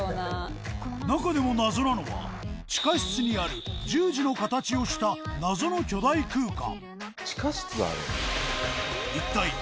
中でも謎なのは地下室にある十字の形をした謎の巨大空間！